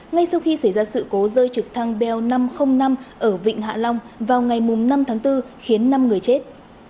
ngay sau khi xảy ra sự cố rơi trực thăng bel năm trăm linh năm ở vịnh hạ long vào ngày năm tháng bốn khiến năm người chết